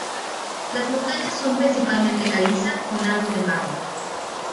Las montañas son principalmente caliza, con algo de mármol.